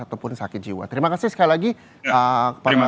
ataupun sakit jiwa terima kasih sekali lagi